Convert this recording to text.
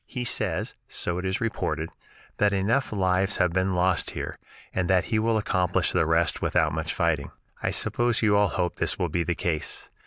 He says, so it is reported, that enough lives have been lost here, and that he will accomplish the rest without much fighting. I suppose you all hope this will be the case.